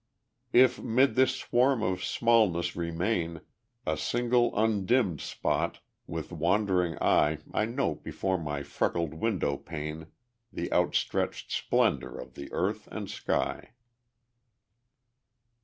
If 'mid this swarm of smallnesses remain A single undimmed spot, with wondering eye I note before my freckled window pane The outstretched splendor of the earth and sky.